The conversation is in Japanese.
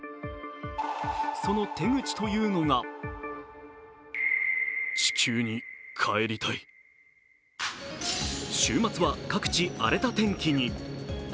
その手口というのが週末は各地荒れた天気に。